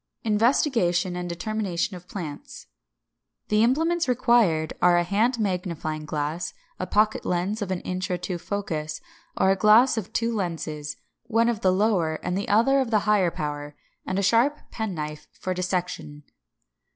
§ 3. INVESTIGATION AND DETERMINATION OF PLANTS. 570. =The Implements= required are a hand magnifying glass, a pocket lens of an inch or two focus, or a glass of two lenses, one of the lower and the other of the higher power; and a sharp penknife for dissection.